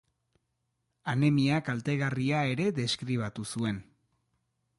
Anemia kaltegarria ere deskribatu zuen.